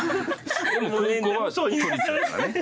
でも高校は都立だからね。